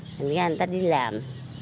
thành ra người ta đi làm